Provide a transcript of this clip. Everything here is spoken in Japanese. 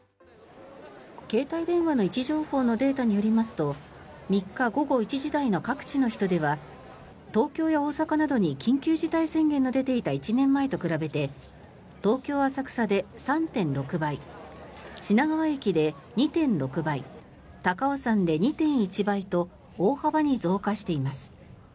携帯電話の位置情報のデータによりますと３日午後１時台の各地の人出は東京や大阪などに緊急事態宣言が出ていた１年前と比べて東京・浅草で３．６倍品川駅で２．６倍高尾山で２．１倍と大幅に増加しています。